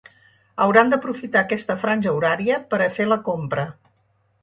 Hauran d’aprofitar aquesta franja horària per a fer la compra.